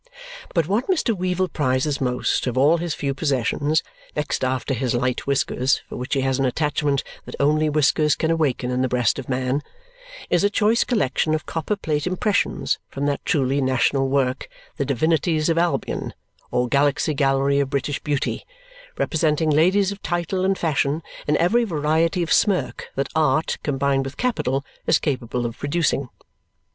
But what Mr. Weevle prizes most of all his few possessions (next after his light whiskers, for which he has an attachment that only whiskers can awaken in the breast of man) is a choice collection of copper plate impressions from that truly national work The Divinities of Albion, or Galaxy Gallery of British Beauty, representing ladies of title and fashion in every variety of smirk that art, combined with capital, is capable of producing.